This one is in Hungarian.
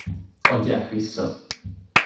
Adják vissza!